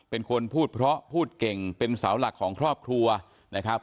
เป็นคนพูดเพราะพูดเก่งเป็นเสาหลักของครอบครัวนะครับ